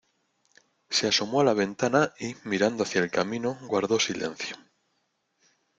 se asomó a la ventana, y mirando hacia el camino guardó silencio.